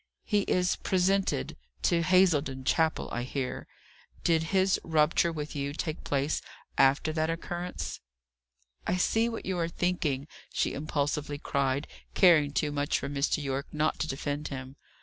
"He is presented to Hazeldon Chapel, I hear. Did his rupture with you take place after that occurrence?" "I see what you are thinking," she impulsively cried, caring too much for Mr. Yorke not to defend him.